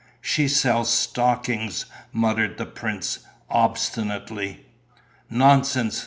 "She sells stockings," muttered the prince, obstinately. "Nonsense!"